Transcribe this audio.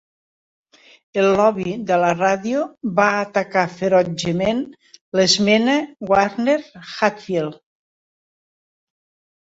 El lobby de la ràdio va atacar ferotgement l'esmena Wagner-Hatfield.